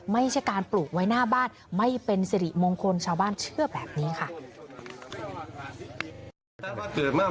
ไม่ใช่การปลูกไว้หน้าบ้านไม่เป็นสิริมงคลชาวบ้านเชื่อแบบนี้ค่ะ